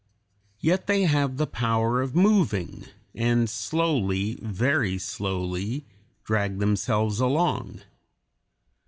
Yet they have the power of moving, and slowly, very slowly, drag themselves along.